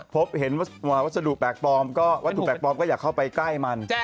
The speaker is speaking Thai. พบเห็นวัสดุแปลกปลอมก็อย่าเข้าไปใกล้มัน